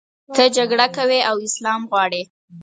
ته جګړه کوې او اسلام غواړې.